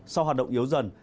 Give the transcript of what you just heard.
sau hoạt động yếu dần